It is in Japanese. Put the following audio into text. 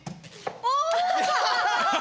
お！